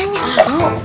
nih gini caranya